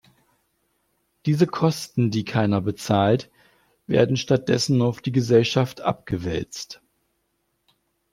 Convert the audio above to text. Diese Kosten, die keiner bezahlt, werden stattdessen auf die Gesellschaft abgewälzt.